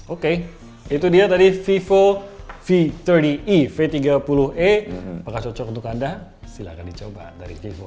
oke itu dia tadi vivo v tiga puluh e apakah cocok untuk anda silahkan dicoba dari vivo